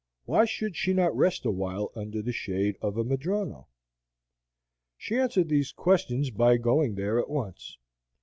Why should she not rest awhile under the shade of a madrono? She answered these questions by going there at once.